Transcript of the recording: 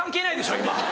今。